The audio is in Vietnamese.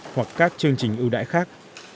hoặc các chương trình ưu đãi khác